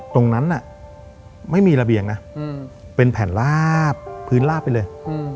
ตรงนั้นไม่มีระเบียงนะเป็นแผ่นลาบพื้นลาบไปเลย